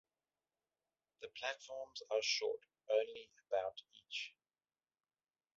The platforms are short: only about each.